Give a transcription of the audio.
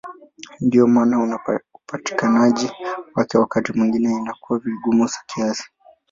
Ndiyo maana upatikanaji wake wakati mwingine inakuwa vigumu kiasi.